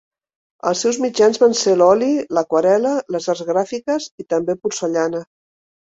Els seus mitjans van ser l'oli, l'aquarel·la, les arts gràfiques i també porcellana.